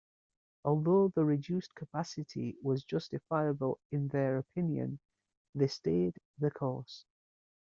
Although the reduced capacity was justifiable in their opinion, they stayed the course.